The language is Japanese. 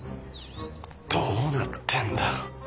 どうなってんだ？